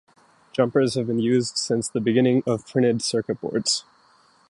Jumpers have been used since the beginning of printed circuit boards.